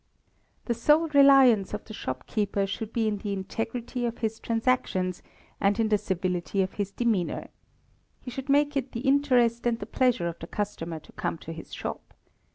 The sole reliance of the shopkeeper should be in the integrity of his transactions, and in the civility of his demeanour. He should make it the interest and the pleasure of the customer to come to his shop.